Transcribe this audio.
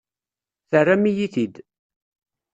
Terram-iyi-t-id.